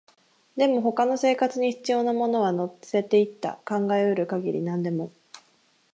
でも、他の生活に必要なものは乗せていった、考えうる限り何でも